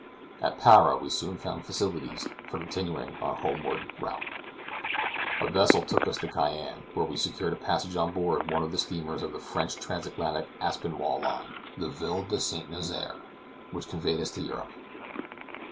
At Para we soon found facilities for continuing our homeward route. A vessel took us to Cayenne, where we secured a passage on board one of the steamers of the French Transatlantic Aspinwall line, the Ville de St. Nazaire, which conveyed us to Europe.